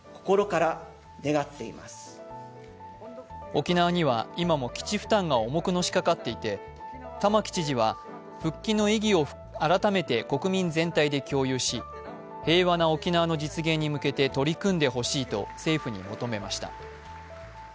沖縄には今も基地負担が重くのしかかっていて玉城知事は復帰の意義を改めて国民全体で共有し平和な沖縄の実現に向けて取り組んでほしいと政府に求めました。